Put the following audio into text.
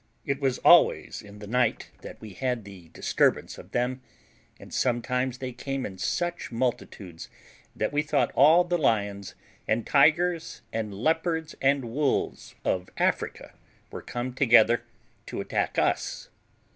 It was always in the night that we had the disturbance of them, and sometimes they came in such multitudes that we thought all the lions and tigers, and leopards and wolves of Africa were come together to attack us.